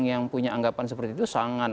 yang punya anggapan seperti itu sangat